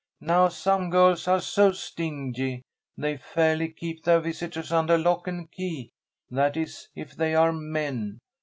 Now some girls are so stingy, they fairly keep their visitors under lock and key that is, if they are men.